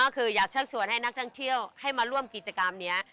ก็คืออยากเชิญชวนให้นักท่องเที่ยวให้มาร่วมกิจกรรมนี้